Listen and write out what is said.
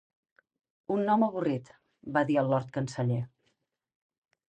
"Un nom avorrit" va dir el lord canceller.